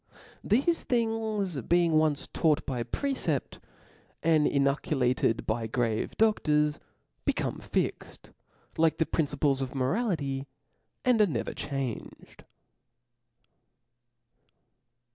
Thefe things being once taught by precept, and inculcated by grave dodors, be^ . come fixed, like the principles of morality, and are never changed.